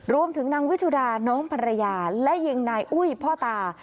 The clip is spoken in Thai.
นางวิชุดาน้องภรรยาและยิงนายอุ้ยพ่อตา